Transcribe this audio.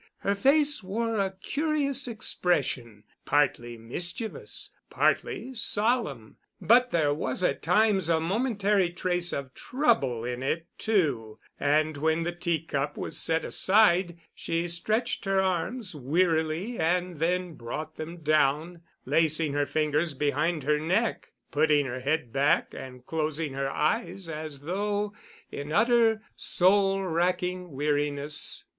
Her face wore a curious expression, partly mischievous, partly solemn, but there was at times a momentary trace of trouble in it, too, and when the tea cup was set aside she stretched her arms wearily and then brought them down, lacing her fingers behind her neck, putting her head back and closing her eyes as though in utter, soul racking weariness.